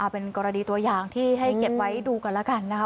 เป็นกรณีตัวอย่างที่ให้เก็บไว้ดูกันแล้วกันนะคะ